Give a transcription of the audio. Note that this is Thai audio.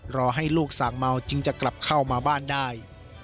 รอให้ลูกสั่งเมาจึงจะกลับเข้ามาบ้านได้